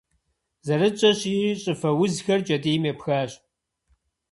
Зэрытщӏэщи, щӏыфэ узхэр кӏэтӏийм епхащ.